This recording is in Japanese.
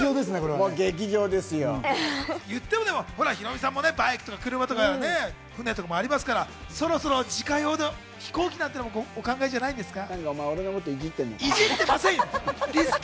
劇場でヒロミさんもバイクとか車とかね、船とかもありますから、そろそろ自家用の飛行機なんてのもお考えじゃないんですか？